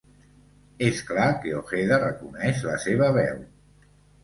És clar que Ojeda reconeix la seva veu.